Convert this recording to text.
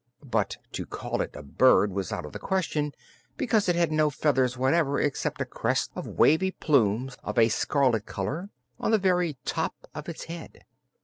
But to call it a bird was out of the question, because it had no feathers whatever except a crest of wavy plumes of a scarlet color on the very top of its head.